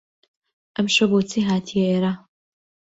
ئەمشەو بۆچی هاتیە ئێرە؟